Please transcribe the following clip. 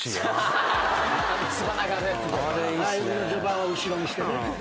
ライブの序盤は後ろにしてね。